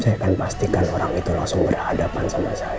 saya akan pastikan orang itu langsung berhadapan sama saya